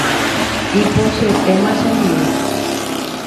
Ipochyetéma chendive.